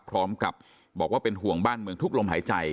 พร้อมกับบอกว่าเป็นห่วงบ้านเมืองทุกลมหายใจ